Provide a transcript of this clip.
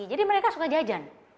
jadi mereka suka jajan